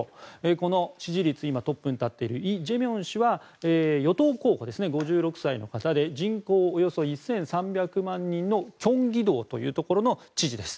今、支持率トップに立っているイ・ジェミョン氏は与党候補５６歳の方で人口およそ１３００万人のキョンギ道というところの知事です。